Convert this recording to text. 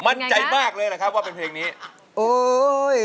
มั่นใจมากเลยแหละครับว่าเป็นเพลงนี้